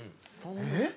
えっ？